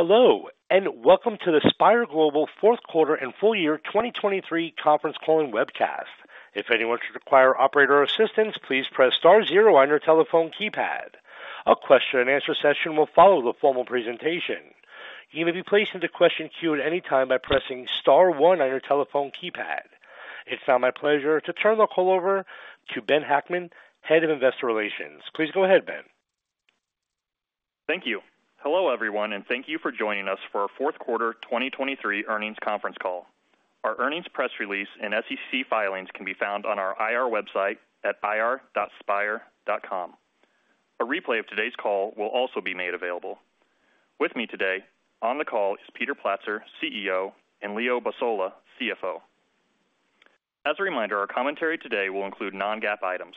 Hello, and welcome to the Spire Global Fourth Quarter and Full Year 2023 conference call and webcast. If anyone should require operator assistance, please press star zero on your telephone keypad. A question-and-answer session will follow the formal presentation. You may be placed into question queue at any time by pressing star one on your telephone keypad. It's now my pleasure to turn the call over to Ben Hackman, Head of Investor Relations. Please go ahead, Ben. Thank you. Hello, everyone, and thank you for joining us for our fourth quarter 2023 earnings conference call. Our earnings press release and SEC filings can be found on our IR website at ir.spire.com. A replay of today's call will also be made available. With me today on the call is Peter Platzer, CEO, and Leo Basola, CFO. As a reminder, our commentary today will include non-GAAP items.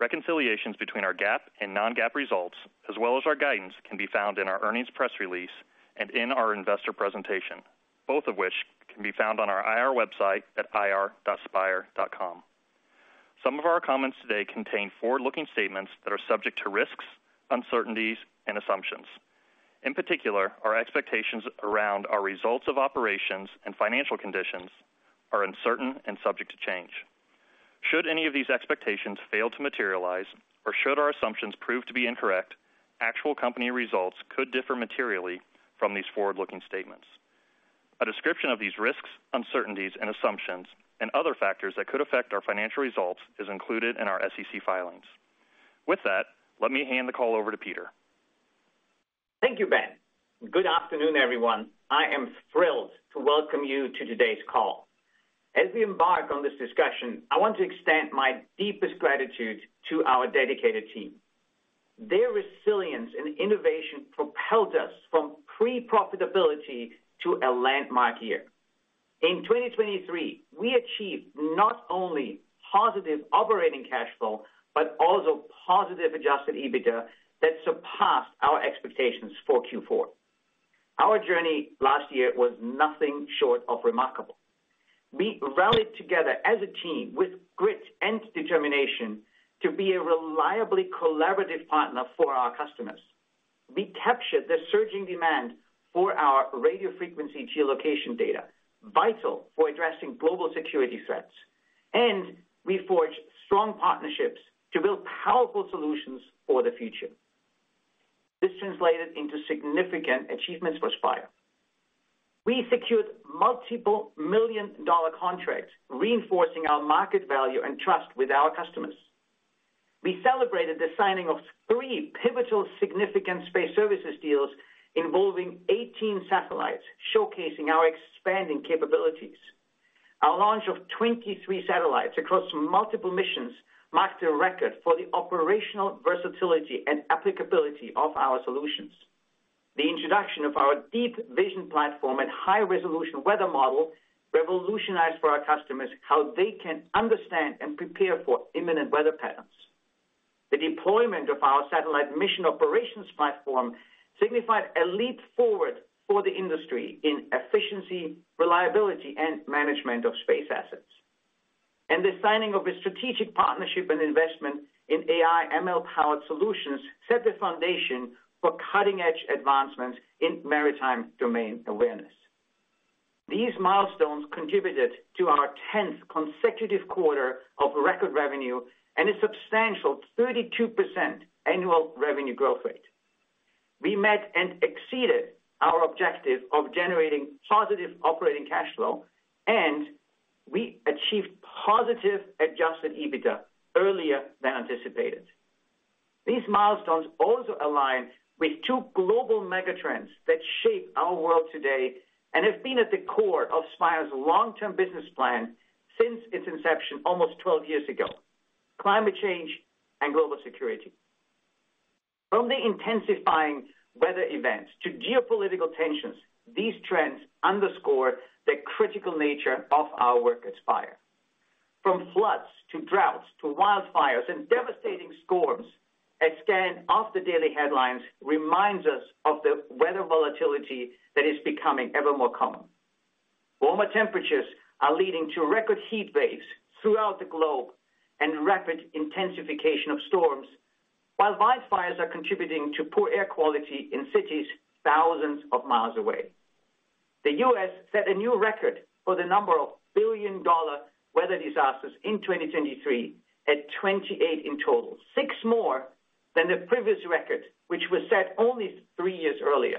Reconciliations between our GAAP and non-GAAP results, as well as our guidance, can be found in our earnings press release and in our investor presentation, both of which can be found on our IR website at ir.spire.com. Some of our comments today contain forward-looking statements that are subject to risks, uncertainties and assumptions. In particular, our expectations around our results of operations and financial conditions are uncertain and subject to change. Should any of these expectations fail to materialize or should our assumptions prove to be incorrect, actual company results could differ materially from these forward-looking statements. A description of these risks, uncertainties, and assumptions and other factors that could affect our financial results is included in our SEC filings. With that, let me hand the call over to Peter. Thank you, Ben. Good afternoon, everyone. I am thrilled to welcome you to today's call. As we embark on this discussion, I want to extend my deepest gratitude to our dedicated team. Their resilience and innovation propelled us from pre-profitability to a landmark year. In 2023, we achieved not only positive operating cash flow, but also positive Adjusted EBITDA that surpassed our expectations for Q4. Our journey last year was nothing short of remarkable. We rallied together as a team with grit and determination to be a reliably collaborative partner for our customers. We captured the surging demand for our radio frequency geolocation data, vital for addressing global security threats, and we forged strong partnerships to build powerful solutions for the future. This translated into significant achievements for Spire. We secured multiple million-dollar contracts, reinforcing our market value and trust with our customers. We celebrated the signing of 3 pivotal significant space services deals involving 18 satellites, showcasing our expanding capabilities. Our launch of 23 satellites across multiple missions marked a record for the operational versatility and applicability of our solutions. The introduction of our DeepVision platform and High-Resolution Weather Model revolutionized for our customers how they can understand and prepare for imminent weather patterns. The deployment of our satellite mission operations platform signified a leap forward for the industry in efficiency, reliability, and management of space assets. The signing of a strategic partnership and investment in AI/ML-powered solutions set the foundation for cutting-edge advancements in maritime domain awareness. These milestones contributed to our 10th consecutive quarter of record revenue and a substantial 32% annual revenue growth rate. We met and exceeded our objective of generating positive operating cash flow, and we achieved positive Adjusted EBITDA earlier than anticipated. These milestones also align with two global megatrends that shape our world today and have been at the core of Spire's long-term business plan since its inception almost 12 years ago: climate change and global security. From the intensifying weather events to geopolitical tensions, these trends underscore the critical nature of our work at Spire. From floods to droughts to wildfires and devastating storms that stand off the daily headlines reminds us of the weather volatility that is becoming ever more common. Warmer temperatures are leading to record heat waves throughout the globe and rapid intensification of storms, while wildfires are contributing to poor air quality in cities thousands of miles away. The U.S. set a new record for the number of billion-dollar weather disasters in 2023, at 28 in total, 6 more than the previous record, which was set only 3 years earlier.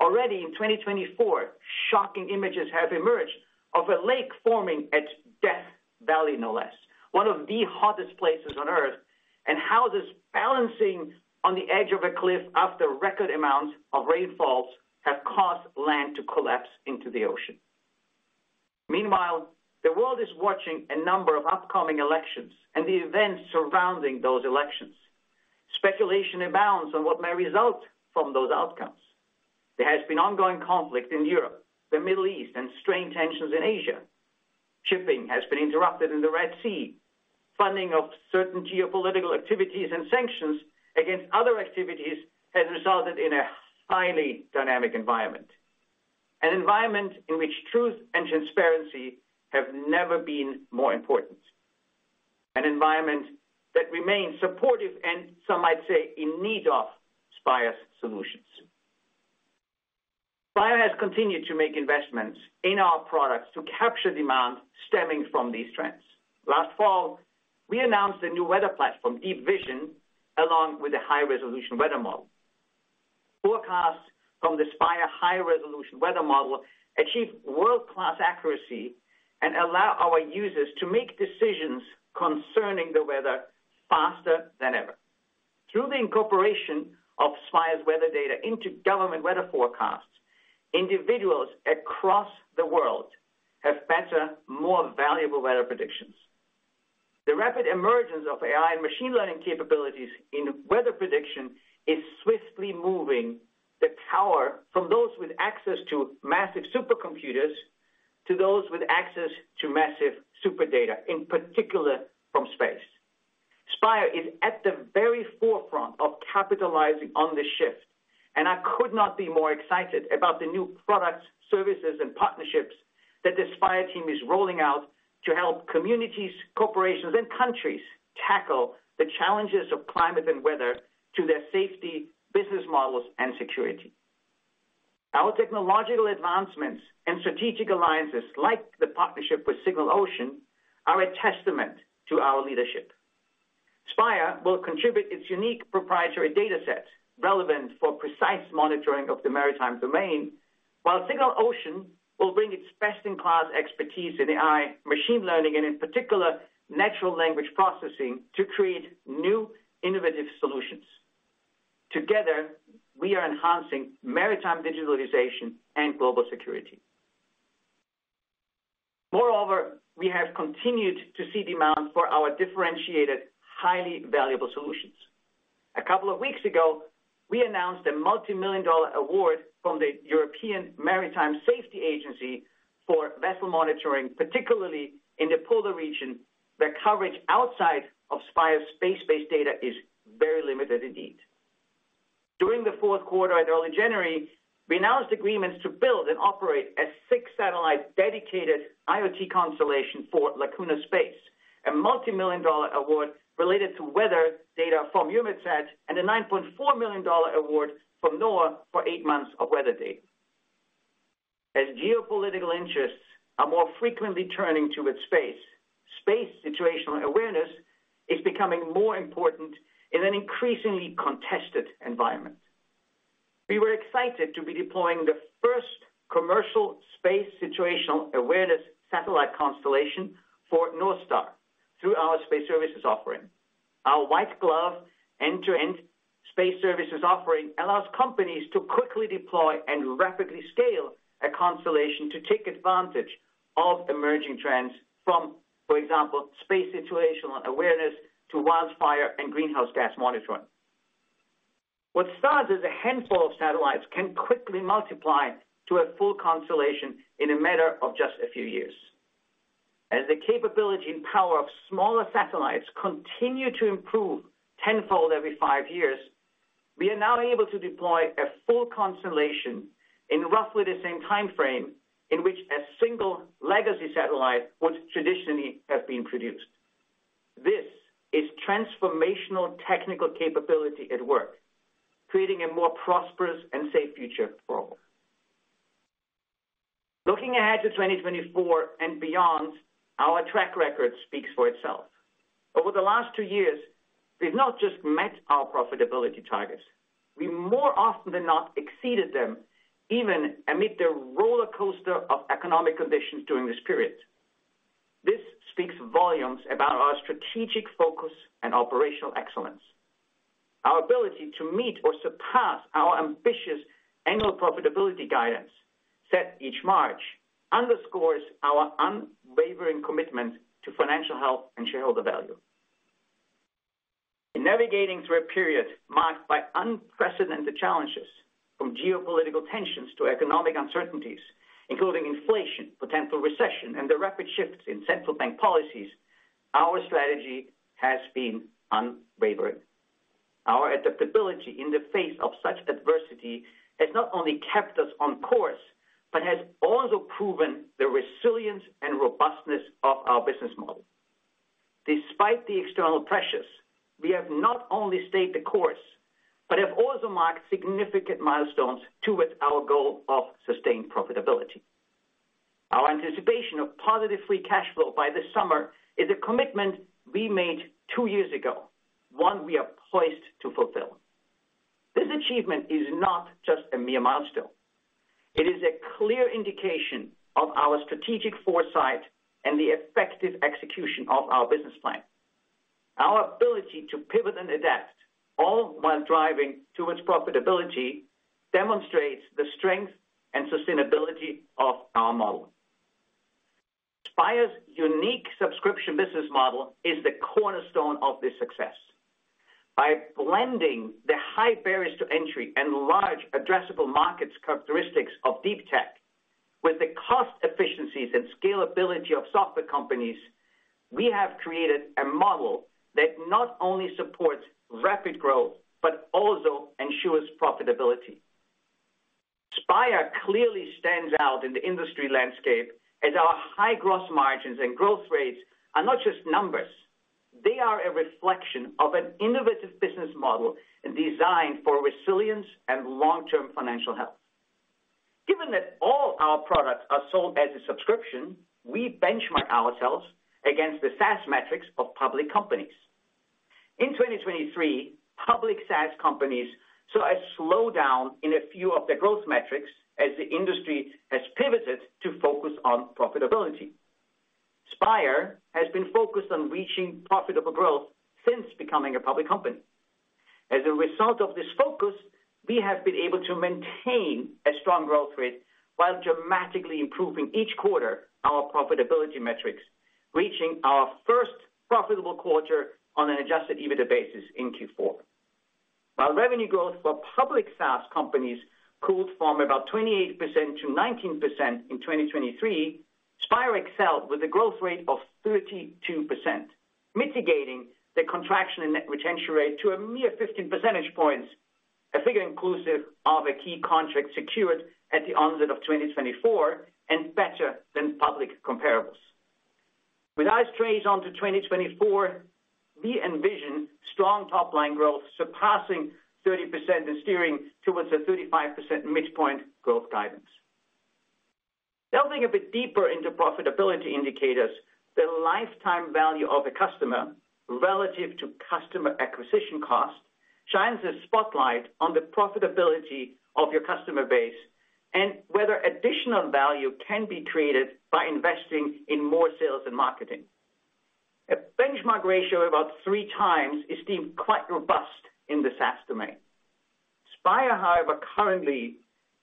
Already in 2024, shocking images have emerged of a lake forming at Death Valley, no less, one of the hottest places on Earth, and houses balancing on the edge of a cliff after record amounts of rainfalls have caused land to collapse into the ocean. Meanwhile, the world is watching a number of upcoming elections and the events surrounding those elections. Speculation abounds on what may result from those outcomes. There has been ongoing conflict in Europe, the Middle East, and strained tensions in Asia. Shipping has been interrupted in the Red Sea. Funding of certain geopolitical activities and sanctions against other activities has resulted in a highly dynamic environment, an environment in which truth and transparency have never been more important, an environment that remains supportive, and some might say, in need of Spire's solutions. Spire has continued to make investments in our products to capture demand stemming from these trends. Last fall, we announced a new weather platform, DeepVision, along with a High-Resolution Weather Model. Forecasts from the Spire High-Resolution Weather Model achieve world-class accuracy and allow our users to make decisions concerning the weather faster than ever. Through the incorporation of Spire's weather data into government weather forecasts, individuals across the world have better, more valuable weather predictions. The rapid emergence of AI and machine learning capabilities in weather prediction is swiftly moving the power from those with access to massive supercomputers, to those with access to massive super data, in particular, from space. Spire is at the very forefront of capitalizing on this shift, and I could not be more excited about the new products, services, and partnerships that the Spire team is rolling out to help communities, corporations, and countries tackle the challenges of climate and weather to their safety, business models, and security. Our technological advancements and strategic alliances, like the partnership with Signal Ocean, are a testament to our leadership. Spire will contribute its unique proprietary data set relevant for precise monitoring of the maritime domain, while Signal Ocean will bring its best-in-class expertise in AI, Machine Learning, and in particular, Natural Language Processing, to create new innovative solutions. Together, we are enhancing maritime digitalization and global security. Moreover, we have continued to see demand for our differentiated, highly valuable solutions. A couple of weeks ago, we announced a multimillion-dollar award from the European Maritime Safety Agency for vessel monitoring, particularly in the polar region, where coverage outside of Spire's space-based data is very limited indeed. During the fourth quarter and early January, we announced agreements to build and operate a 6-satellite dedicated IoT constellation for Lacuna Space, a multimillion-dollar award related to weather data from EUMETSAT, and a $9.4 million award from NOAA for 8 months of weather data. As geopolitical interests are more frequently turning to its space, space situational awareness is becoming more important in an increasingly contested environment. We were excited to be deploying the first commercial space situational awareness satellite constellation for NorthStar through our space services offering. Our white glove, end-to-end space services offering allows companies to quickly deploy and rapidly scale a constellation to take advantage of emerging trends from, for example, space situational awareness to wildfire and greenhouse gas monitoring. What starts as a handful of satellites can quickly multiply to a full constellation in a matter of just a few years. As the capability and power of smaller satellites continue to improve tenfold every five years, we are now able to deploy a full constellation in roughly the same time frame in which a single legacy satellite would traditionally have been produced. This is transformational technical capability at work, creating a more prosperous and safe future for all. Looking ahead to 2024 and beyond, our track record speaks for itself. Over the last two years, we've not just met our profitability targets, we more often than not exceeded them, even amid the rollercoaster of economic conditions during this period. This speaks volumes about our strategic focus and operational excellence. Our ability to meet or surpass our ambitious annual profitability guidance set each March, underscores our unwavering commitment to financial health and shareholder value. In navigating through a period marked by unprecedented challenges, from geopolitical tensions to economic uncertainties, including inflation, potential recession, and the rapid shifts in central bank policies, our strategy has been unwavering. Our adaptability in the face of such adversity has not only kept us on course, but has also proven the resilience and robustness of our business model. Despite the external pressures, we have not only stayed the course, but have also marked significant milestones towards our goal of sustained profitability. Our anticipation of positive free cash flow by this summer is a commitment we made two years ago, one we are poised to fulfill. This achievement is not just a mere milestone. It is a clear indication of our strategic foresight and the effective execution of our business plan. Our ability to pivot and adapt, all while driving towards profitability, demonstrates the strength and sustainability of our model. Spire's unique subscription business model is the cornerstone of this success. By blending the high barriers to entry and large addressable markets characteristics of deep tech with the cost efficiencies and scalability of software companies, we have created a model that not only supports rapid growth, but also ensures profitability. Spire clearly stands out in the industry landscape, as our high gross margins and growth rates are not just numbers. They are a reflection of an innovative business model designed for resilience and long-term financial health. Given that all our products are sold as a subscription, we benchmark ourselves against the SaaS metrics of public companies. In 2023, public SaaS companies saw a slowdown in a few of their growth metrics as the industry has pivoted to focus on profitability. Spire has been focused on reaching profitable growth since becoming a public company. As a result of this focus, we have been able to maintain a strong growth rate while dramatically improving each quarter our profitability metrics, reaching our first profitable quarter on an Adjusted EBITDA basis in Q4. While revenue growth for public SaaS companies cooled from about 28% to 19% in 2023, Spire excelled with a growth rate of 32%, mitigating the contraction in net retention rate to a mere 15 percentage points, a figure inclusive of a key contract secured at the onset of 2024 and better than public comparables. With eyes straight onto 2024, we envision strong top-line growth surpassing 30% and steering towards a 35% midpoint growth guidance. Delving a bit deeper into profitability indicators, the lifetime value of a customer relative to customer acquisition cost shines a spotlight on the profitability of your customer base, and whether additional value can be created by investing in more sales and marketing. A benchmark ratio about 3x is deemed quite robust in the SaaS domain. Spire, however, currently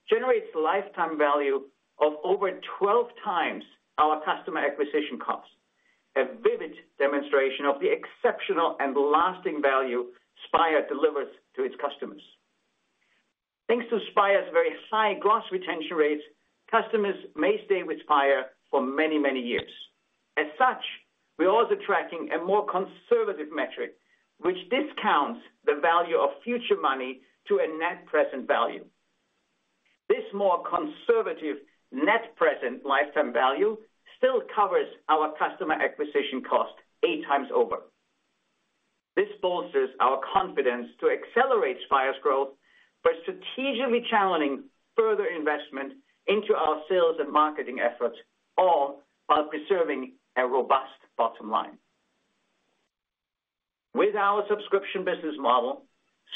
generates a lifetime value of over 12 times our customer acquisition cost, a vivid demonstration of the exceptional and lasting value Spire delivers to its customers. Thanks to Spire's very high gross retention rates, customers may stay with Spire for many, many years. As such, we're also tracking a more conservative metric, which discounts the value of future money to a net present value. This more conservative net present lifetime value still covers our customer acquisition cost 8 times over. This bolsters our confidence to accelerate Spire's growth by strategically channeling further investment into our sales and marketing efforts, all while preserving a robust bottom line. With our subscription business model,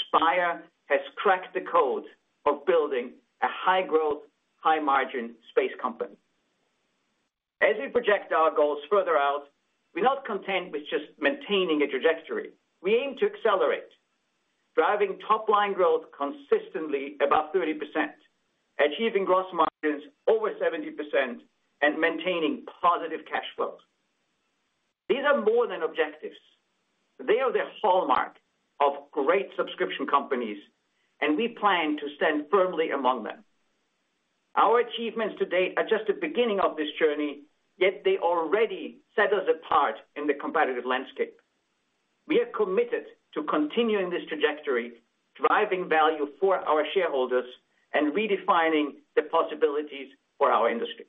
Spire has cracked the code of building a high-growth, high-margin space company. As we project our goals further out, we're not content with just maintaining a trajectory. We aim to accelerate, driving top-line growth consistently above 30%, achieving gross margins over 70%, and maintaining positive cash flows. These are more than objectives. They are the hallmark of great subscription companies, and we plan to stand firmly among them. Our achievements to date are just the beginning of this journey, yet they already set us apart in the competitive landscape. We are committed to continuing this trajectory, driving value for our shareholders, and redefining the possibilities for our industry.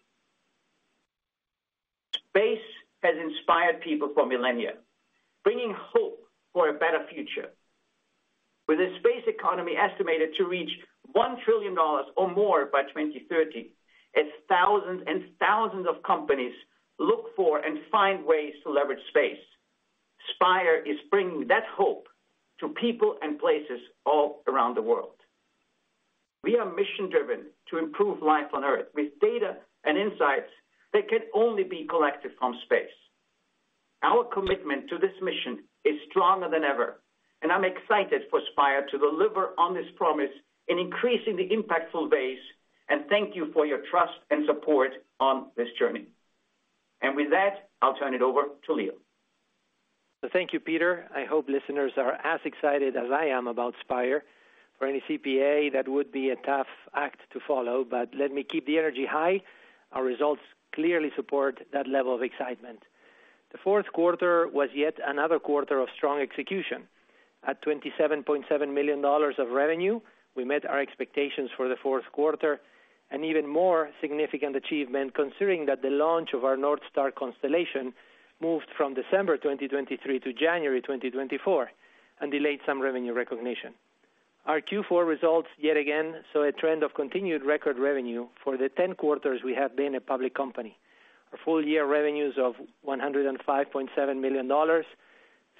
Space has inspired people for millennia, bringing hope for a better future. With the space economy estimated to reach $1 trillion or more by 2030, as thousands and thousands of companies look for and find ways to leverage space, Spire is bringing that hope to people and places all around the world. We are mission-driven to improve life on Earth with data and insights that can only be collected from space. Our commitment to this mission is stronger than ever, and I'm excited for Spire to deliver on this promise in increasing the impactful ways, and thank you for your trust and support on this journey. With that, I'll turn it over to Leo. Thank you, Peter. I hope listeners are as excited as I am about Spire. For any CPA, that would be a tough act to follow, but let me keep the energy high. Our results clearly support that level of excitement. The fourth quarter was yet another quarter of strong execution. At $27.7 million of revenue, we met our expectations for the fourth quarter, and even more significant achievement, considering that the launch of our NorthStar constellation moved from December 2023 to January 2024, and delayed some revenue recognition. Our Q4 results, yet again, saw a trend of continued record revenue for the 10 quarters we have been a public company. Our full-year revenues of $105.7 million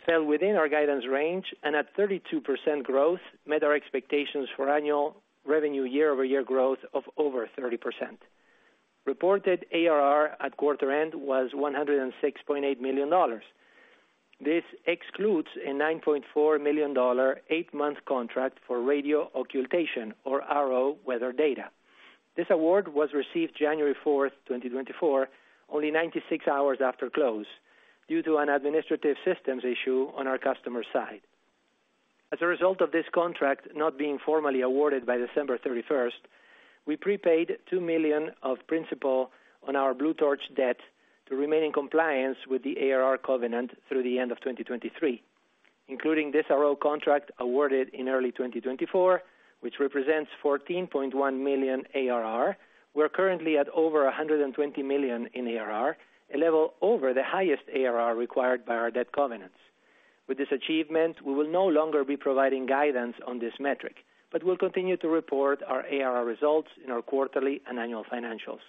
fell within our guidance range, and at 32% growth, met our expectations for annual revenue year-over-year growth of over 30%. Reported ARR at quarter end was $106.8 million. This excludes a $9.4 million eight-month contract for radio occultation or RO weather data. This award was received January 4, 2024, only 96 hours after close, due to an administrative systems issue on our customer side. As a result of this contract not being formally awarded by December 31, we prepaid $2 million of principal on our Blue Torch debt to remain in compliance with the ARR covenant through the end of 2023 including this RO contract awarded in early 2024, which represents 14.1 million ARR. We're currently at over $120 million in ARR, a level over the highest ARR required by our debt covenants. With this achievement, we will no longer be providing guidance on this metric, but we'll continue to report our ARR results in our quarterly and annual financials.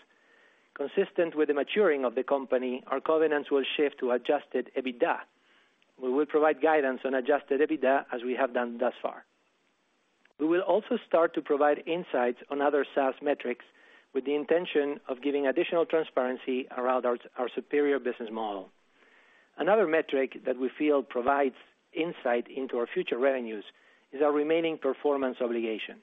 Consistent with the maturing of the company, our covenants will shift to Adjusted EBITDA. We will provide guidance on Adjusted EBITDA, as we have done thus far. We will also start to provide insights on other SaaS metrics with the intention of giving additional transparency around our superior business model. Another metric that we feel provides insight into our future revenues is our remaining performance obligation.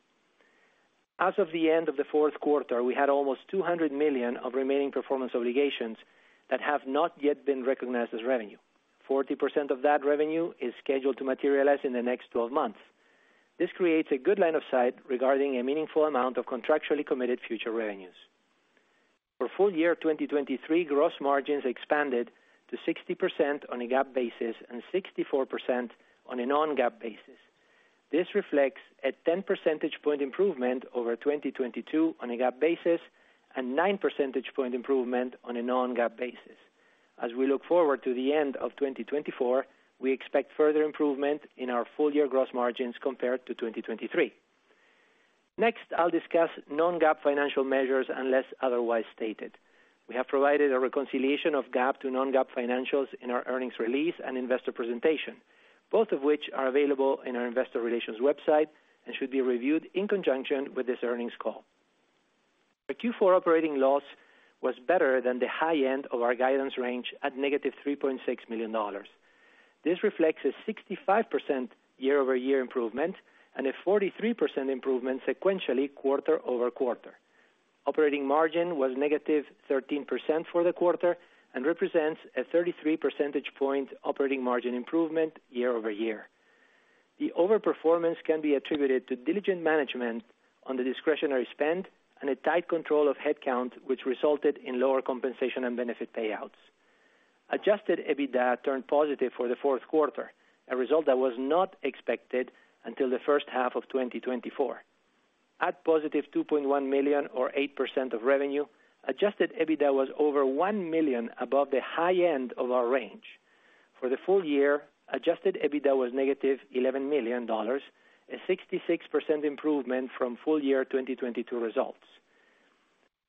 As of the end of the fourth quarter, we had almost $200 million of remaining performance obligations that have not yet been recognized as revenue. 40% of that revenue is scheduled to materialize in the next twelve months. This creates a good line of sight regarding a meaningful amount of contractually committed future revenues. For full year 2023, gross margins expanded to 60% on a GAAP basis and 64% on a non-GAAP basis. This reflects a 10 percentage point improvement over 2022 on a GAAP basis, and 9 percentage point improvement on a non-GAAP basis. As we look forward to the end of 2024, we expect further improvement in our full year gross margins compared to 2023. Next, I'll discuss non-GAAP financial measures, unless otherwise stated. We have provided a reconciliation of GAAP to non-GAAP financials in our earnings release and investor presentation, both of which are available in our Investor Relations website and should be reviewed in conjunction with this earnings call. The Q4 operating loss was better than the high end of our guidance range at -$3.6 million. This reflects a 65% year-over-year improvement and a 43% improvement sequentially quarter-over-quarter. Operating margin was -13% for the quarter and represents a 33 percentage point operating margin improvement year over year. The overperformance can be attributed to diligent management on the discretionary spend and a tight control of headcount, which resulted in lower compensation and benefit payouts. Adjusted EBITDA turned positive for the fourth quarter, a result that was not expected until the first half of 2024. At positive $2.1 million or 8% of revenue, adjusted EBITDA was over $1 million above the high end of our range. For the full year, adjusted EBITDA was -$11 million, a 66% improvement from full year 2022 results.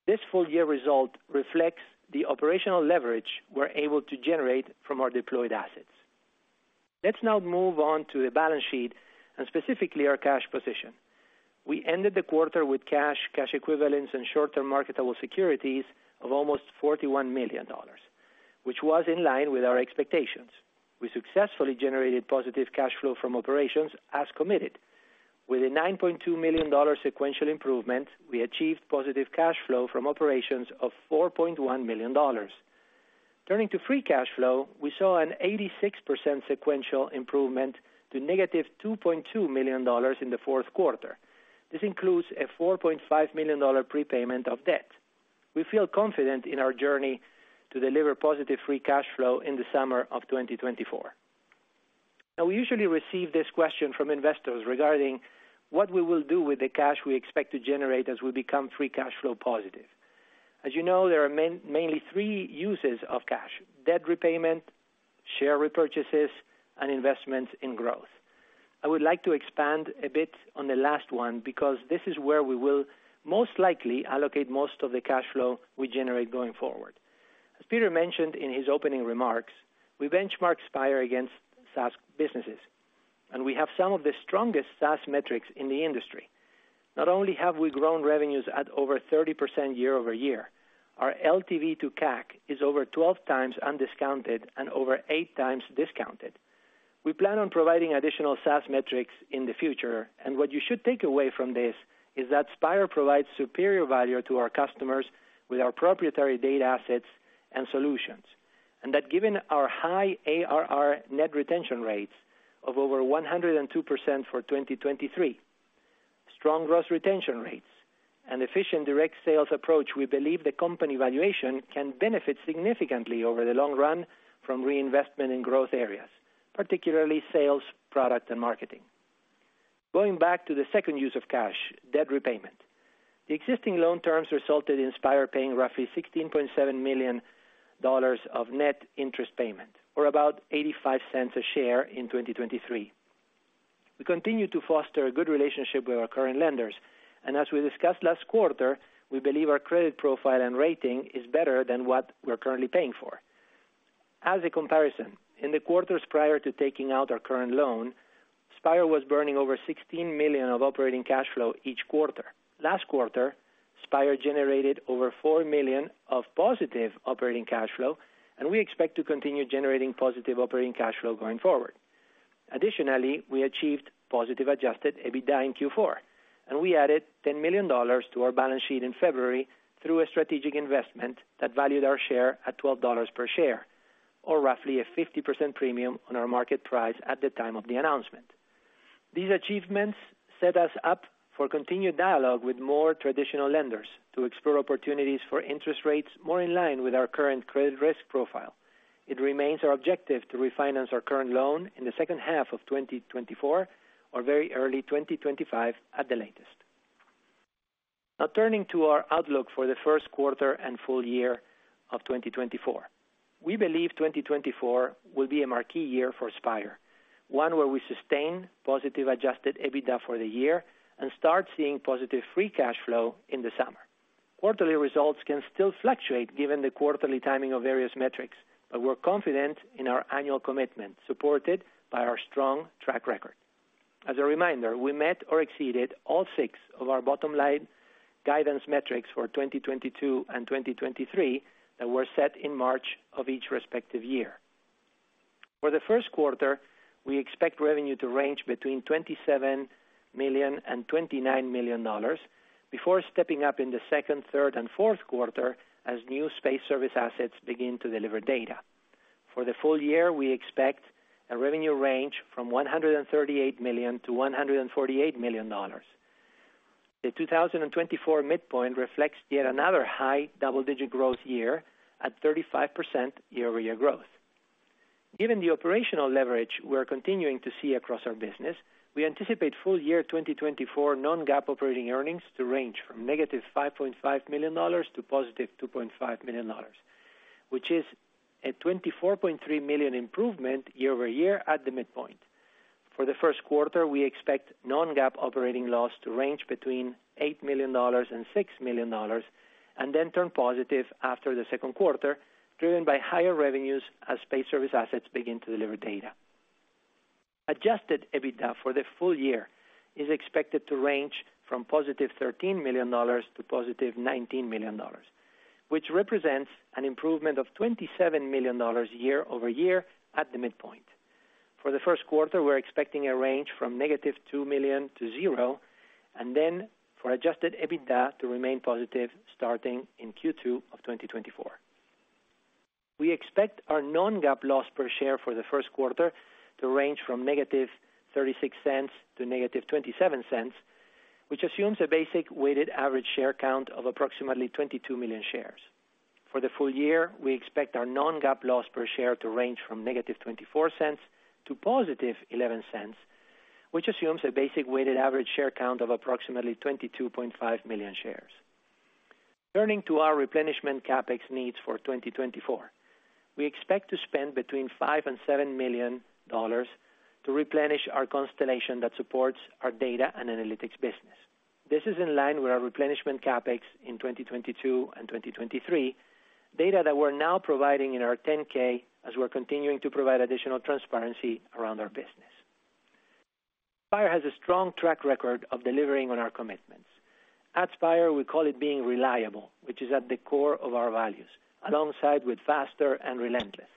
This full year result reflects the operational leverage we're able to generate from our deployed assets. Let's now move on to the balance sheet and specifically our cash position. We ended the quarter with cash, cash equivalents, and short-term marketable securities of almost $41 million, which was in line with our expectations. We successfully generated positive cash flow from operations as committed. With a $9.2 million sequential improvement, we achieved positive cash flow from operations of $4.1 million. Turning to free cash flow, we saw an 86% sequential improvement to -$2.2 million in the fourth quarter. This includes a $4.5 million prepayment of debt. We feel confident in our journey to deliver positive free cash flow in the summer of 2024. Now, we usually receive this question from investors regarding what we will do with the cash we expect to generate as we become free cash flow positive. As you know, there are mainly three uses of cash: debt repayment, share repurchases, and investments in growth. I would like to expand a bit on the last one, because this is where we will most likely allocate most of the cash flow we generate going forward. As Peter mentioned in his opening remarks, we benchmark Spire against SaaS businesses, and we have some of the strongest SaaS metrics in the industry. Not only have we grown revenues at over 30% year-over-year, our LTV to CAC is over 12 times undiscounted and over 8 times discounted. We plan on providing additional SaaS metrics in the future, and what you should take away from this is that Spire provides superior value to our customers with our proprietary data assets and solutions. That given our high ARR net retention rates of over 102% for 2023, strong gross retention rates, and efficient direct sales approach, we believe the company valuation can benefit significantly over the long run from reinvestment in growth areas, particularly sales, product, and marketing. Going back to the second use of cash, debt repayment. The existing loan terms resulted in Spire paying roughly $16.7 million of net interest payment, or about $0.85 a share in 2023. We continue to foster a good relationship with our current lenders, and as we discussed last quarter, we believe our credit profile and rating is better than what we're currently paying for. As a comparison, in the quarters prior to taking out our current loan, Spire was burning over 16 million of operating cash flow each quarter. Last quarter, Spire generated over $4 million of positive operating cash flow, and we expect to continue generating positive operating cash flow going forward. Additionally, we achieved positive Adjusted EBITDA in Q4, and we added $10 million to our balance sheet in February through a strategic investment that valued our share at $12 per share, or roughly a 50% premium on our market price at the time of the announcement. These achievements set us up for continued dialogue with more traditional lenders to explore opportunities for interest rates more in line with our current credit risk profile. It remains our objective to refinance our current loan in the second half of 2024 or very early 2025 at the latest. Now, turning to our outlook for the first quarter and full year of 2024. We believe 2024 will be a marquee year for Spire, one where we sustain positive adjusted EBITDA for the year and start seeing positive free cash flow in the summer. Quarterly results can still fluctuate given the quarterly timing of various metrics, but we're confident in our annual commitment, supported by our strong track record. As a reminder, we met or exceeded all six of our bottom line guidance metrics for 2022 and 2023 that were set in March of each respective year. For the first quarter, we expect revenue to range between $27 million and $29 million, before stepping up in the second, third, and fourth quarter as new space service assets begin to deliver data. For the full year, we expect a revenue range from $138 million to $148 million. The 2024 midpoint reflects yet another high double-digit growth year at 35% year-over-year growth. Given the operational leverage we're continuing to see across our business, we anticipate full year 2024 non-GAAP operating earnings to range from -$5.5 million to $2.5 million, which is a 24.3 million improvement year-over-year at the midpoint. For the first quarter, we expect non-GAAP operating loss to range between $8 million and $6 million, and then turn positive after the second quarter, driven by higher revenues as space service assets begin to deliver data. Adjusted EBITDA for the full year is expected to range from $13 million to $19 million, which represents an improvement of 27 million year-over-year at the midpoint. For the first quarter, we're expecting a range from -$2 million to $0, and then for Adjusted EBITDA to remain positive starting in Q2 of 2024. We expect our non-GAAP loss per share for the first quarter to range from -$0.36 to -$0.27, which assumes a basic weighted average share count of approximately 22 million shares. For the full year, we expect our non-GAAP loss per share to range from -$0.24 to +$0.11, which assumes a basic weighted average share count of approximately 22.5 million shares. Turning to our replenishment CapEx needs for 2024. We expect to spend between $5 million and $7 million to replenish our constellation that supports our data and analytics business. This is in line with our replenishment CapEx in 2022 and 2023, data that we're now providing in our 10-K as we're continuing to provide additional transparency around our business. Spire has a strong track record of delivering on our commitments. At Spire, we call it being reliable, which is at the core of our values, alongside with faster and relentless.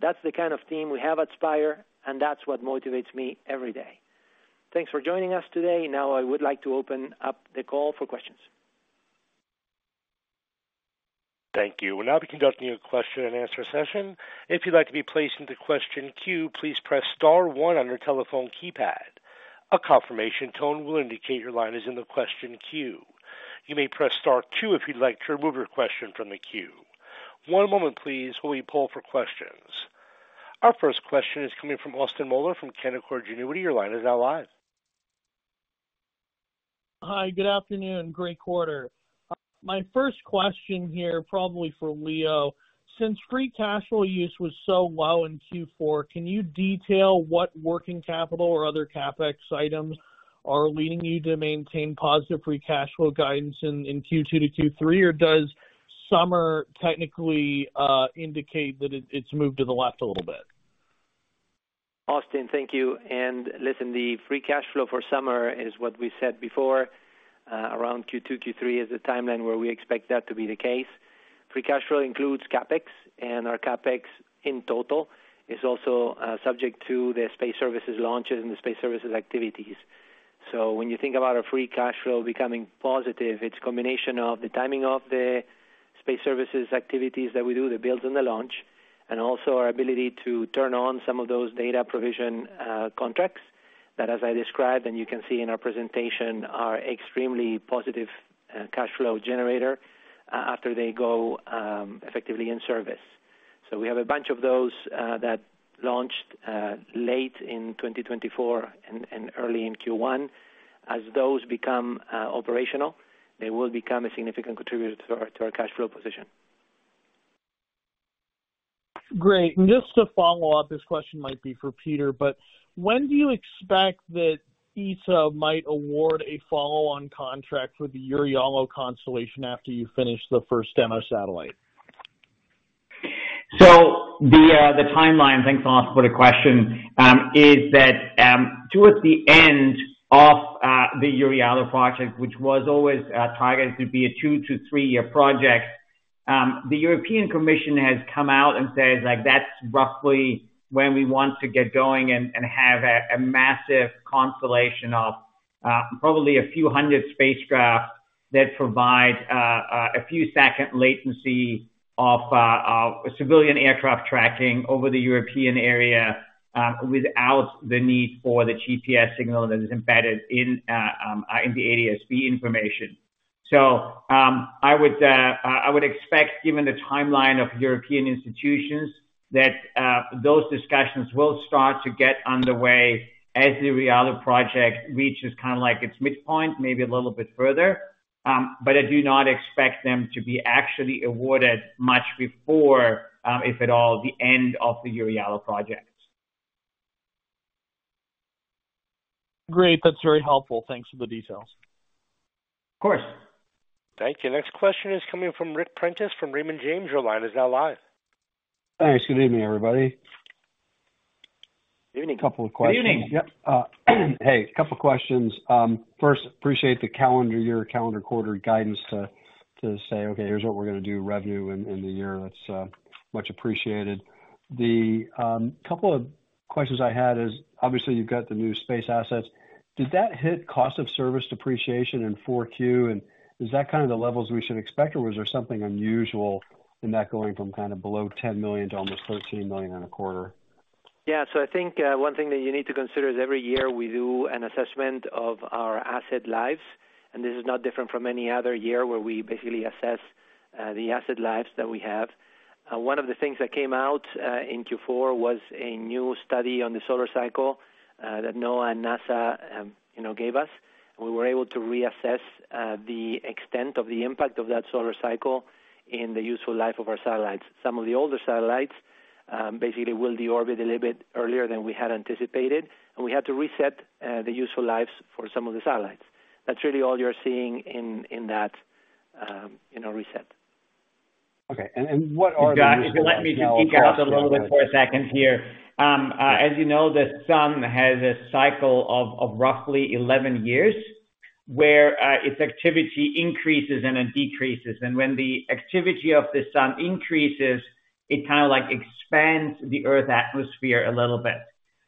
That's the kind of team we have at Spire, and that's what motivates me every day. Thanks for joining us today. Now, I would like to open up the call for questions. Thank you. We'll now be conducting a question-and-answer session. If you'd like to be placed into question queue, please press star one on your telephone keypad. A confirmation tone will indicate your line is in the question queue. You may press star two if you'd like to remove your question from the queue. One moment, please, while we poll for questions. Our first question is coming from Austin Moeller from Canaccord Genuity. Your line is now live. Hi, good afternoon. Great quarter. My first question here, probably for Leo. Since free cash flow use was so low in Q4, can you detail what working capital or other CapEx items are leading you to maintain positive free cash flow guidance in Q2 to Q3? Or does summer technically indicate that it's moved to the left a little bit? Austin, thank you. And listen, the free cash flow for summer is what we said before, around Q2, Q3 is the timeline where we expect that to be the case. Free cash flow includes CapEx, and our CapEx in total is also subject to the space services launches and the space services activities. So when you think about our free cash flow becoming positive, it's a combination of the timing of the space services activities that we do that builds on the launch, and also our ability to turn on some of those data provision contracts, that, as I described, and you can see in our presentation, are extremely positive cash flow generator after they go effectively in service. So we have a bunch of those that launched late in 2024 and early in Q1. As those become operational, they will become a significant contributor to our cash flow position. Great. Just to follow up, this question might be for Peter, but when do you expect that ESA might award a follow-on contract for the EURIALO constellation after you finish the first demo satellite? So the timeline, thanks, Austin, for the question, is that towards the end of the EURIALO project, which was always targeted to be a 2-3-year project, the European Commission has come out and said, like, "That's roughly when we want to get going and have a massive constellation of probably a few hundred spacecraft that provide a few-second latency of civilian aircraft tracking over the European area, without the need for the GPS signal that is embedded in the ADS-B information. So I would expect, given the timeline of European institutions, that those discussions will start to get underway as the EURIALO project reaches kind of like its midpoint, maybe a little bit further. But I do not expect them to be actually awarded much before, if at all, the end of the EURIALO project. Great. That's very helpful. Thanks for the details. Of course. Thank you. Next question is coming from Ric Prentiss from Raymond James. Your line is now live. Thanks. Good evening, everybody. Evening. Couple of questions. Good evening. Yep. Hey, a couple of questions. First, appreciate the calendar year, calendar quarter guidance to, to say, "Okay, here's what we're gonna do revenue in, in the year." That's much appreciated. The couple of questions I had is, obviously, you've got the new space assets. Did that hit cost of service depreciation in Q4? And is that kind of the levels we should expect, or was there something unusual in that going from kind of below $10 million to almost $13 million in a quarter? Yeah. So I think, one thing that you need to consider is every year we do an assessment of our asset lives, and this is not different from any other year where we basically assess the asset lives that we have. One of the things that came out in Q4 was a new study on the solar cycle that NOAA and NASA, you know, gave us. We were able to reassess the extent of the impact of that solar cycle in the useful life of our satellites. Some of the older satellites basically will deorbit a little bit earlier than we had anticipated, and we had to reset the useful lives for some of the satellites. That's really all you're seeing in that, you know, reset. Okay. And what are the- If you let me just geek out a little bit for a second here. As you know, the sun has a cycle of roughly 11 years, where its activity increases and then decreases. And when the activity of the sun increases, it kind of like expands the Earth atmosphere a little bit.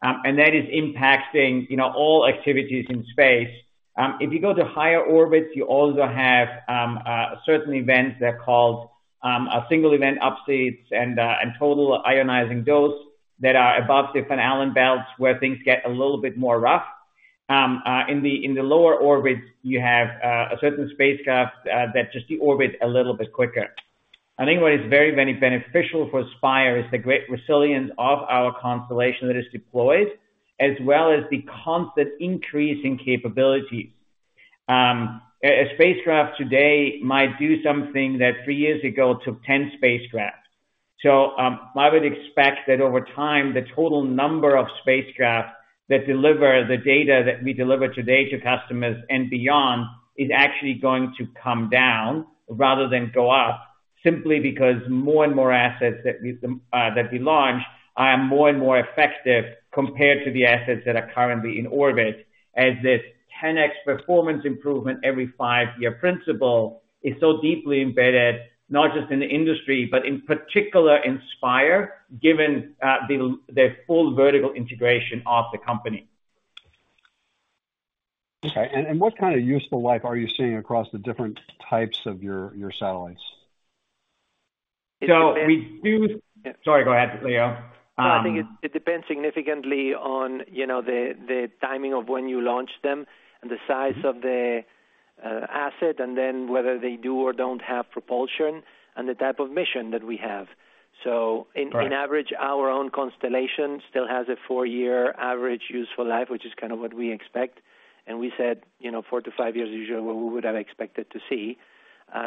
And that is impacting, you know, all activities in space. If you go to higher orbits, you also have certain events that are called a single event upsets and total ionizing dose, that are above different Van Allen Belts, where things get a little bit more rough. In the lower orbits, you have a certain spacecraft that just deorbit a little bit quicker. I think what is very, very beneficial for Spire is the great resilience of our constellation that is deployed, as well as the constant increase in capability. A spacecraft today might do something that three years ago took 10 spacecraft. So, I would expect that over time, the total number of spacecraft that deliver the data that we deliver today to customers and beyond, is actually going to come down rather than go up, simply because more and more assets that we that we launch, are more and more effective compared to the assets that are currently in orbit. As this 10x performance improvement every five-year principle is so deeply embedded, not just in the industry, but in particular, in Spire, given the full vertical integration of the company. Okay. And what kind of useful life are you seeing across the different types of your satellites? So we do- It- Sorry, go ahead, Leo. No, I think it depends significantly on, you know, the timing of when you launch them and the size- Mm-hmm. - of the, asset, and then whether they do or don't have propulsion, and the type of mission that we have. So- Right. On average, our own constellation still has a four-year average useful life, which is kind of what we expect. We said, you know, four to five years is usually what we would have expected to see.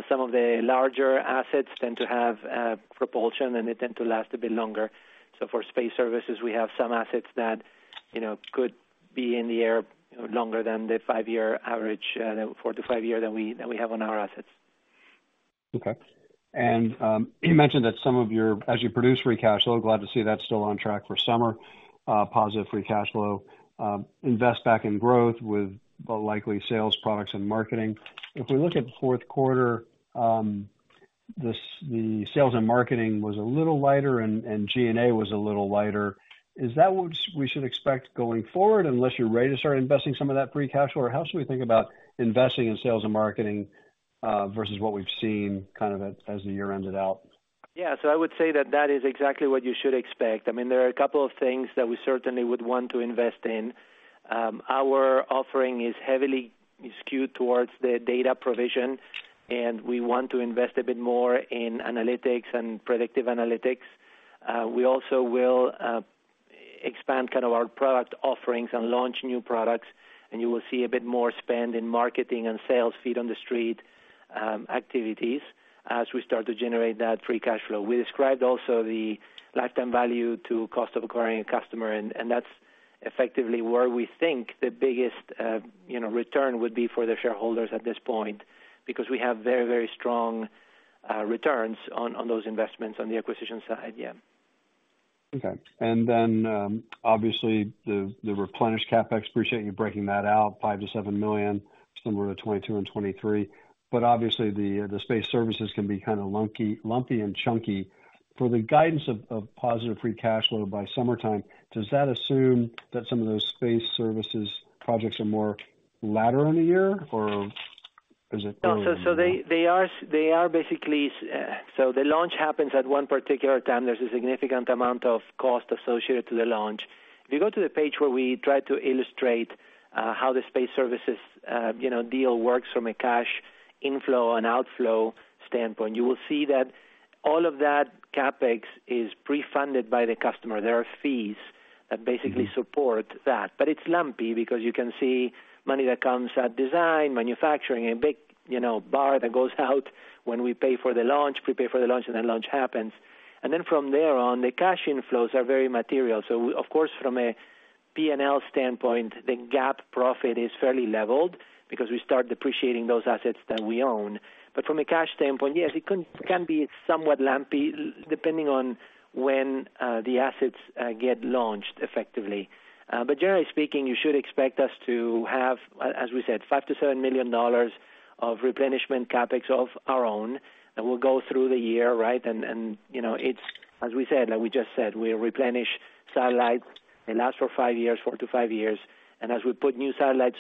Some of the larger assets tend to have propulsion, and they tend to last a bit longer. For space services, we have some assets that, you know, could be in the air, you know, longer than the five-year average, four to five year that we have on our assets. Okay. And, you mentioned that some of your, as you produce free cash flow, glad to see that's still on track for summer, positive free cash flow, invest back in growth with the likely sales, products, and marketing. If we look at fourth quarter, the sales and marketing was a little lighter and G&A was a little lighter. Is that what we should expect going forward, unless you're ready to start investing some of that free cash flow? Or how should we think about investing in sales and marketing, versus what we've seen kind of as the year ended out? Yeah. So I would say that that is exactly what you should expect. I mean, there are a couple of things that we certainly would want to invest in. Our offering is heavily skewed towards the data provision, and we want to invest a bit more in analytics and predictive analytics. We also will expand kind of our product offerings and launch new products, and you will see a bit more spend in marketing and sales feet on the street activities, as we start to generate that free cash flow. We described also the lifetime value to cost of acquiring a customer, and that's effectively where we think the biggest return would be for the shareholders at this point, because we have very, very strong returns on those investments on the acquisition side. Yeah. Okay. And then, obviously, the replenished CapEx, appreciate you breaking that out, $5 million-$7 million. Similar to 2022 and 2023, but obviously the space services can be kind of lumpy, lumpy and chunky. For the guidance of positive free cash flow by summertime, does that assume that some of those space services projects are more later in the year, or is it? So they are basically so the launch happens at one particular time. There's a significant amount of cost associated to the launch. If you go to the page where we try to illustrate how the space services, you know, deal works from a cash inflow and outflow standpoint, you will see that all of that CapEx is pre-funded by the customer. There are fees that basically support that, but it's lumpy because you can see money that comes at design, manufacturing, a big, you know, bar that goes out when we pay for the launch, prepare for the launch, and then launch happens. And then from there on, the cash inflows are very material. So of course, from a P&L standpoint, the GAAP profit is fairly leveled because we start depreciating those assets that we own. But from a cash standpoint, yes, it can be somewhat lumpy, depending on when the assets get launched effectively. But generally speaking, you should expect us to have, as we said, $5-$7 million of replenishment CapEx of our own that will go through the year, right? And you know, it's, as we said, like we just said, we replenish satellites. They last for 5 years, 4-5 years, and as we put new satellites,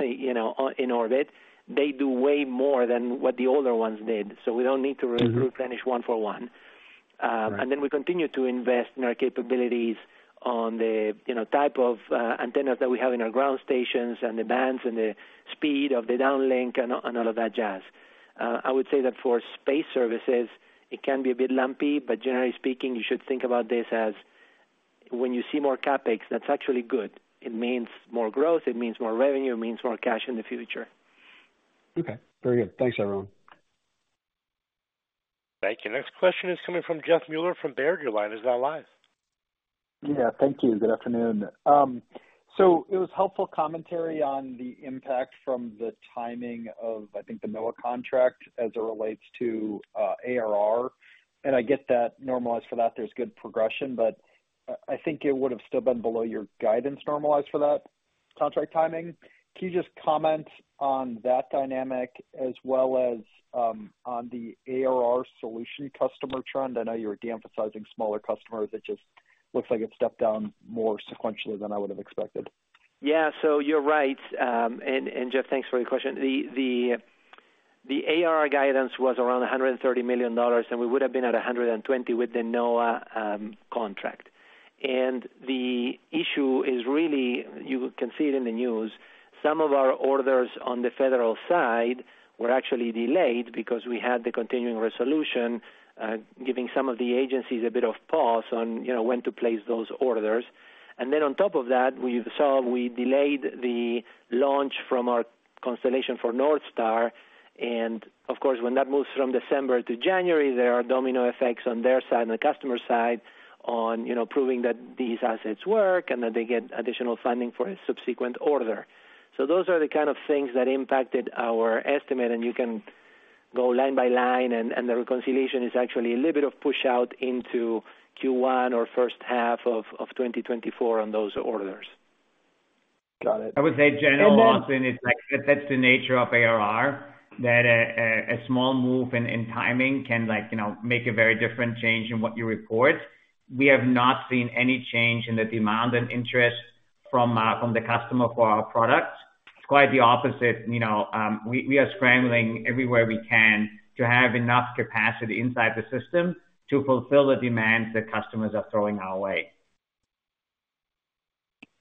you know, on in orbit, they do way more than what the older ones did, so we don't need to replenish one for one. And then we continue to invest in our capabilities on the, you know, type of antennas that we have in our ground stations and the bands and the speed of the downlink and all of that jazz. I would say that for space services, it can be a bit lumpy, but generally speaking, you should think about this as when you see more CapEx, that's actually good. It means more growth, it means more revenue, it means more cash in the future. Okay, very good. Thanks, Aaron. Thank you. Next question is coming from Jeff Meuler from Baird. Your line is now live. Yeah, thank you. Good afternoon. So it was helpful commentary on the impact from the timing of, I think, the NOAA contract as it relates to, ARR, and I get that normalized for that, there's good progression, but I, I think it would have still been below your guidance normalized for that contract timing. Can you just comment on that dynamic as well as, on the ARR solution customer trend? I know you're de-emphasizing smaller customers. It just looks like it stepped down more sequentially than I would have expected. Yeah. So you're right. And Jeff, thanks for your question. The ARR guidance was around $130 million, and we would have been at $120 million with the NOAA contract. And the issue is really, you can see it in the news, some of our orders on the federal side were actually delayed because we had the continuing resolution, giving some of the agencies a bit of pause on, you know, when to place those orders. And then on top of that, we saw we delayed the launch from our constellation for NorthStar, and of course, when that moves from December to January, there are domino effects on their side and the customer side on, you know, proving that these assets work and that they get additional funding for a subsequent order. So those are the kind of things that impacted our estimate, and you can go line by line and the reconciliation is actually a little bit of push out into Q1 or first half of 2024 on those orders. Got it. I would say, generally, it's like that's the nature of ARR, that a small move in timing can like, you know, make a very different change in what you report. We have not seen any change in the demand and interest from from the customer for our products. It's quite the opposite. You know, we are scrambling everywhere we can to have enough capacity inside the system to fulfill the demands that customers are throwing our way.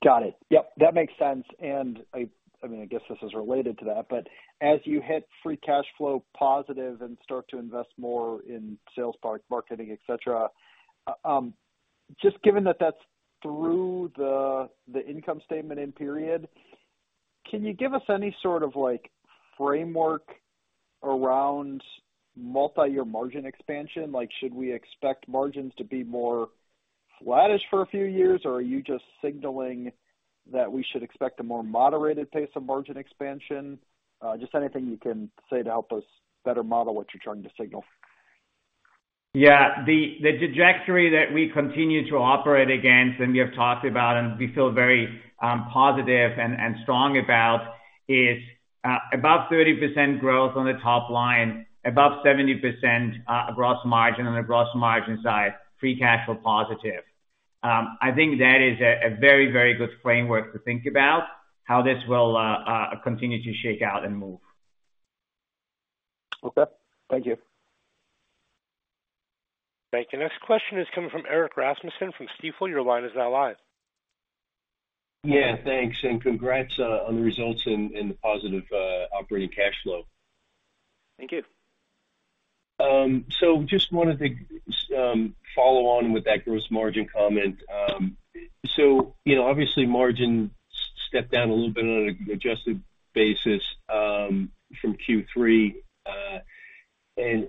Got it. Yep, that makes sense. And I mean, I guess this is related to that, but as you hit free cash flow positive and start to invest more in sales, marketing, et cetera, just given that that's through the income statement in period, can you give us any sort of like framework around multi-year margin expansion? Like, should we expect margins to be more flattish for a few years, or are you just signaling that we should expect a more moderated pace of margin expansion? Just anything you can say to help us better model what you're trying to signal? Yeah, the trajectory that we continue to operate against, and we have talked about, and we feel very positive and strong about, is about 30% growth on the top line, above 70% gross margin on the gross margin side, free cash flow positive. I think that is a very, very good framework to think about how this will continue to shake out and move. Okay. Thank you. Thank you. Next question is coming from Erik Rasmussen from Stifel. Your line is now live. Yeah, thanks, and congrats on the results and the positive operating cash flow. Thank you. So just wanted to follow on with that gross margin comment. So, you know, obviously, margin stepped down a little bit on an adjusted basis from Q3. And,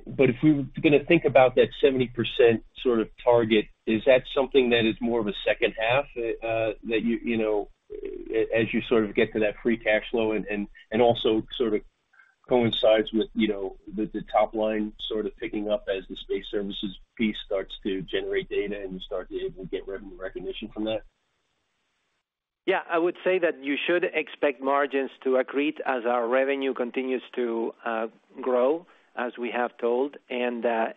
but if we were gonna think about that 70% sort of target, is that something that is more of a second half, that you, you know, as you sort of get to that free cash flow and, and, and also sort of coincides with, you know, with the top line sort of picking up as the space services piece starts to generate data, and you start to be able to get revenue recognition from that? Yeah, I would say that you should expect margins to accrete as our revenue continues to grow, as we have told. And in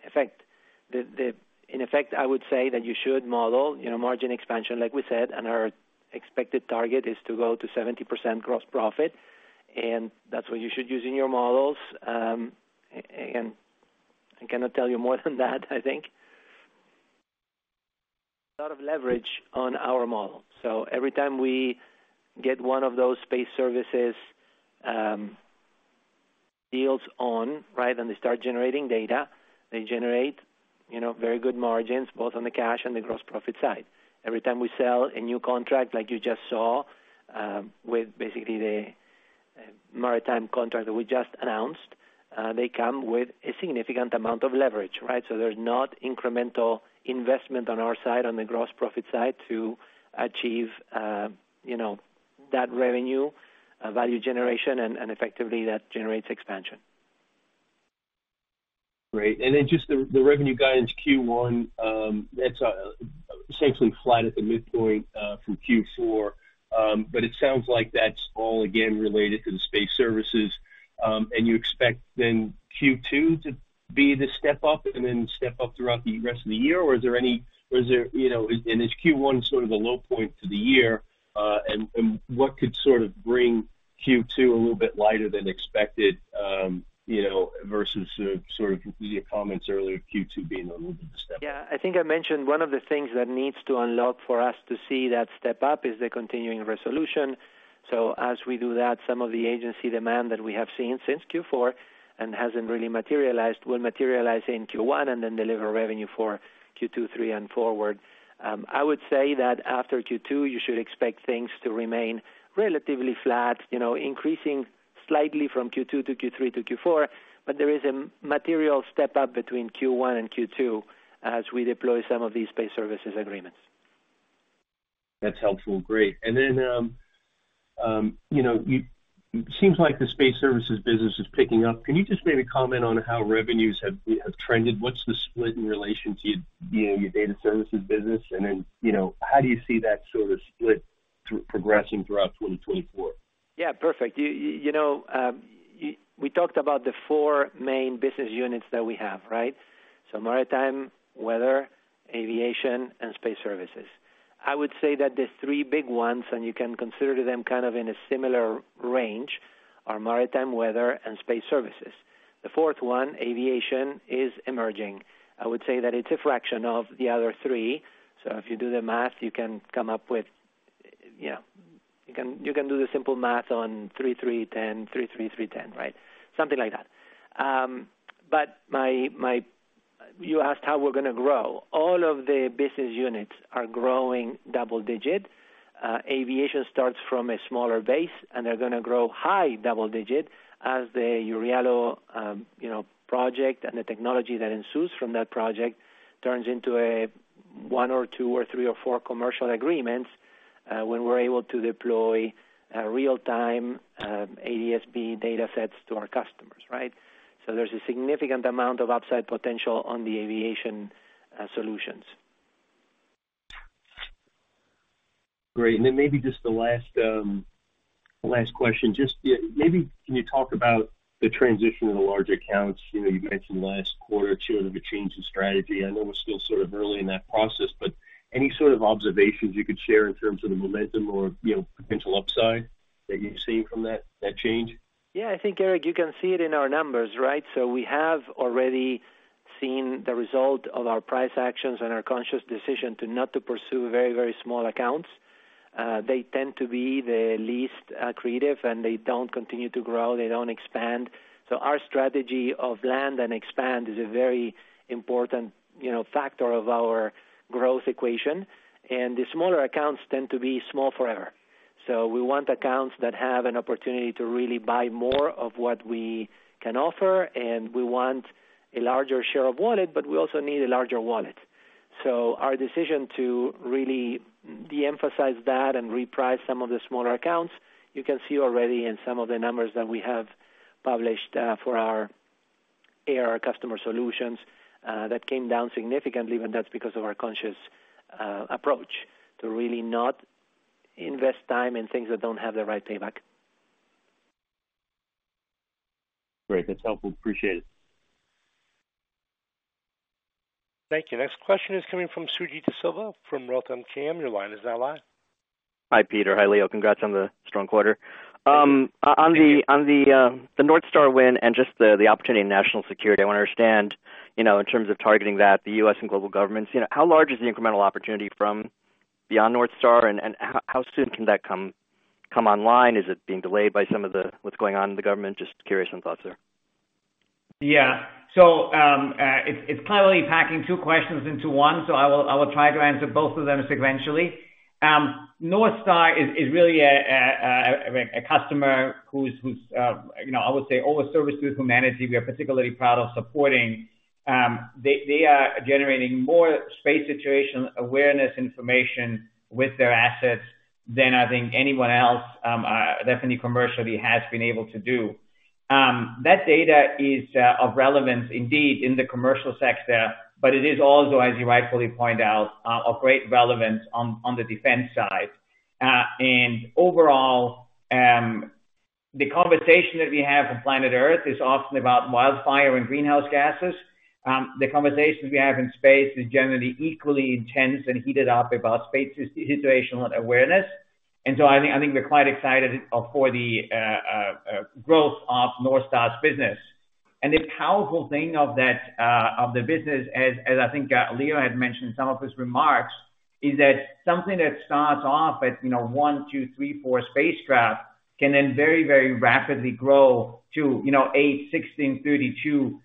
effect, I would say that you should model, you know, margin expansion, like we said, and our expected target is to go to 70% gross profit, and that's what you should use in your models. And I cannot tell you more than that, I think. A lot of leverage on our model. So every time we get one of those space services deals on right, and they start generating data, they generate, you know, very good margins, both on the cash and the gross profit side. Every time we sell a new contract, like you just saw, with basically the maritime contract that we just announced, they come with a significant amount of leverage, right? So there's not incremental investment on our side, on the gross profit side, to achieve, you know, that revenue, value generation, and, and effectively, that generates expansion. Great. And then just the revenue guidance Q1, that's essentially flat at the midpoint from Q4. But it sounds like that's all, again, related to the space services. And you expect then Q2 to be the step-up and then step-up throughout the rest of the year? Or is there, you know. And is Q1 sort of the low point for the year? And what could sort of bring Q2 a little bit lighter than expected, you know, versus sort of your comments earlier, Q2 being a little bit of a step-up? Yeah, I think I mentioned one of the things that needs to unlock for us to see that step-up is the continuing resolution. So as we do that, some of the agency demand that we have seen since Q4 and hasn't really materialized, will materialize in Q1 and then deliver revenue for Q2, Q3, and forward. I would say that after Q2, you should expect things to remain relatively flat, you know, increasing slightly from Q2 to Q3 to Q4, but there is a material step-up between Q1 and Q2 as we deploy some of these space services agreements. That's helpful. Great. And then, you know, you-- it seems like the space services business is picking up. Can you just maybe comment on how revenues have trended? What's the split in relation to your, you know, your data services business, and then, you know, how do you see that sort of split progressing throughout 2024? Yeah, perfect. You know, we talked about the four main business units that we have, right? So maritime, weather, aviation, and space services. I would say that the three big ones, and you can consider them kind of in a similar range, are maritime, weather, and space services. The fourth one, aviation, is emerging. I would say that it's a fraction of the other three. So if you do the math, you can come up with, you know. You can do the simple math on 3, 3, 10, 3, 3, 3, 10, right? Something like that. But you asked how we're going to grow. All of the business units are growing double digit. Aviation starts from a smaller base, and they're going to grow high double digit as the EURIALO, you know, project and the technology that ensues from that project turns into a one or two or three or four commercial agreements, when we're able to deploy, real-time, ADS-B data sets to our customers, right? So there's a significant amount of upside potential on the aviation, solutions. Great. And then maybe just the last, last question. Just, yeah, maybe can you talk about the transition in the large accounts? You know, you mentioned last quarter or two of a change in strategy. I know we're still sort of early in that process, but any sort of observations you could share in terms of the momentum or, you know, potential upside that you've seen from that, that change? Yeah, I think, Erik, you can see it in our numbers, right? So we have already seen the result of our price actions and our conscious decision to not to pursue very, very small accounts. They tend to be the least creative, and they don't continue to grow, they don't expand. So our strategy of land and expand is a very important, you know, factor of our growth equation, and the smaller accounts tend to be small forever. So we want accounts that have an opportunity to really buy more of what we can offer, and we want a larger share of wallet, but we also need a larger wallet. So our decision to really de-emphasize that and reprice some of the smaller accounts, you can see already in some of the numbers that we have published, for our ARR customer solutions, that came down significantly, and that's because of our conscious, approach to really not invest time in things that don't have the right payback. Great. That's helpful. Appreciate it. Thank you. Next question is coming from Suji Desilva from Roth MKM. Your line is now live. Hi, Peter. Hi, Leo. Congrats on the strong quarter. On the NorthStar win and just the opportunity in national security, I want to understand, you know, in terms of targeting that, the U.S. and global governments, you know, how large is the incremental opportunity from beyond NorthStar, and how soon can that come online? Is it being delayed by some of what's going on in the government? Just curious on thoughts there. Yeah. So, it's clearly packing two questions into one, so I will try to answer both of them sequentially. NorthStar is really a customer who's, you know, I would say all the services we manage, we are particularly proud of supporting. They are generating more space situational awareness information with their assets than I think anyone else, definitely commercially, has been able to do. That data is of relevance indeed in the commercial sector, but it is also, as you rightfully point out, of great relevance on the defense side. And overall, the conversation that we have on planet Earth is often about wildfire and greenhouse gases. The conversations we have in space is generally equally intense and heated up about space situational awareness. And so I think, I think we're quite excited for the growth of NorthStar's business. And the powerful thing of that of the business, as I think Leo had mentioned in some of his remarks, is that something that starts off at, you know, one, two, three, four spacecraft, can then very, very rapidly grow to, you know, eight, 16, 32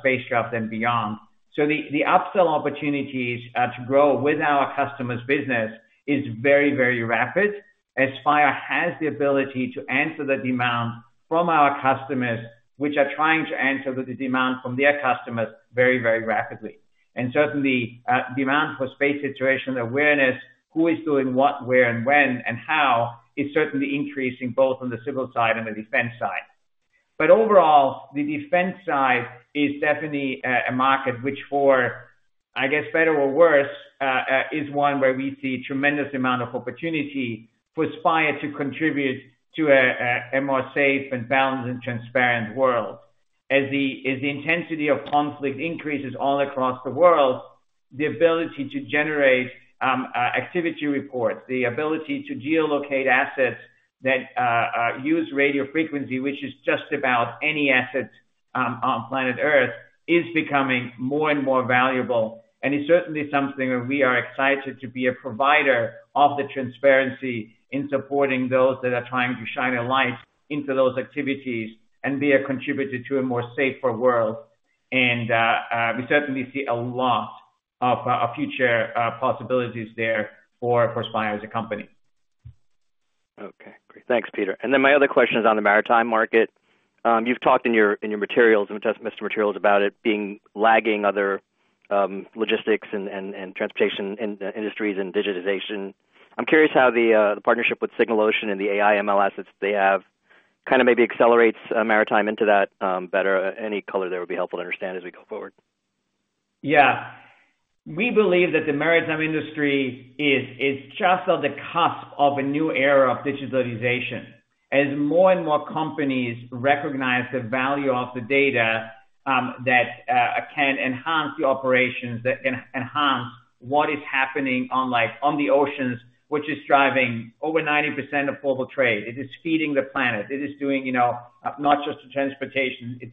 spacecraft and beyond. So the upsell opportunities to grow with our customers' business is very, very rapid, as Spire has the ability to answer the demand from our customers, which are trying to answer the demand from their customers very, very rapidly. And certainly demand for space situational awareness, who is doing what, where, and when, and how, is certainly increasing both on the civil side and the defense side. But overall, the defense side is definitely a market which for, I guess, better or worse, is one where we see a tremendous amount of opportunity for Spire to contribute to a more safe and balanced and transparent world. As the intensity of conflict increases all across the world, the ability to generate activity reports, the ability to geolocate assets that use radio frequency, which is just about any asset on planet Earth, is becoming more and more valuable. And it's certainly something that we are excited to be a provider of the transparency in supporting those that are trying to shine a light into those activities and be a contributor to a more safer world. And we certainly see a lot of future possibilities there for Spire as a company. Okay, great. Thanks, Peter. And then my other question is on the maritime market. You've talked in your investment materials about it being lagging other logistics and transportation industries and digitization. I'm curious how the partnership with Signal Ocean and the AI and MLs that they have kind of maybe accelerates maritime into that better. Any color there would be helpful to understand as we go forward. Yeah. We believe that the maritime industry is just on the cusp of a new era of digitalization. As more and more companies recognize the value of the data that can enhance the operations, that can enhance what is happening on, like, on the oceans, which is driving over 90% of global trade. It is feeding the planet. It is doing, you know, not just the transportation, it's,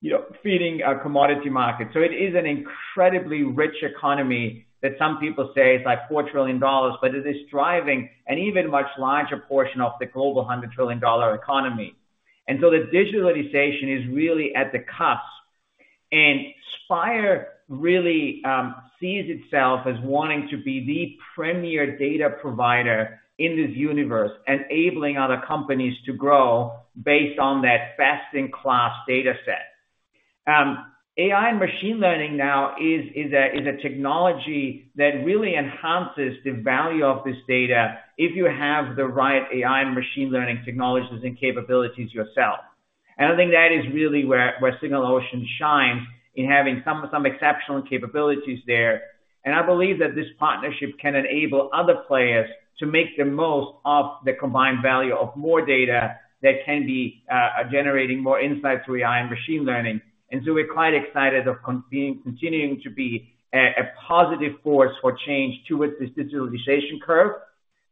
you know, feeding our commodity market. So it is an incredibly rich economy that some people say is like $4 trillion, but it is driving an even much larger portion of the global $100 trillion economy. And so the digitalization is really at the cusp, and Spire really sees itself as wanting to be the premier data provider in this universe, enabling other companies to grow based on that best-in-class data set. AI and machine learning now is a technology that really enhances the value of this data if you have the right AI and machine learning technologies and capabilities yourself. And I think that is really where Signal Ocean shines in having some exceptional capabilities there. And I believe that this partnership can enable other players to make the most of the combined value of more data that can be generating more insights through AI and machine learning. And so we're quite excited of continuing to be a positive force for change towards this digitalization curve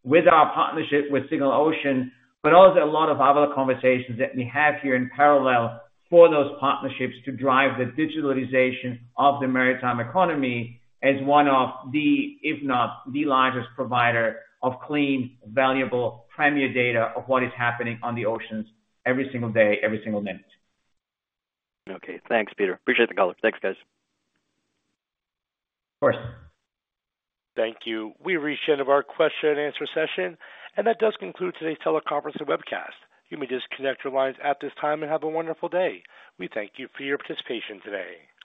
with our partnership with Signal Ocean, but also a lot of other conversations that we have here in parallel for those partnerships to drive the digitalization of the maritime economy as one of the, if not the largest, provider of clean, valuable, premier data of what is happening on the oceans every single day, every single minute. Okay. Thanks, Peter. Appreciate the call. Thanks, guys. Of course. Thank you. We've reached the end of our question and answer session, and that does conclude today's teleconference and webcast. You may disconnect your lines at this time and have a wonderful day. We thank you for your participation today.